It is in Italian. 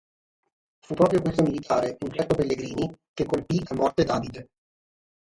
Fu proprio questo militare, un certo Pellegrini, che colpì a morte David.